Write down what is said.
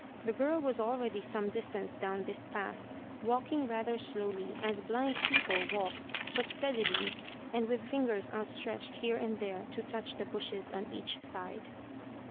The girl was already some distance down this path, walking rather slowly, as blind people walk, but steadily, and with fingers outstretched here and there to touch the bushes on each side.